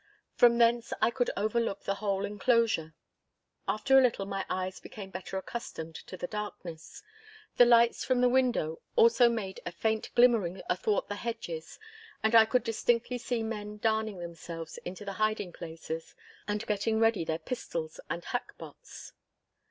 From thence I could overlook the whole enclosure. After a little my eyes became better accustomed to the darkness. The lights from the windows also made a faint glimmering athwart the hedges, and I could distinctly see men darning themselves into their hiding places, and getting ready their pistols and hackbutts.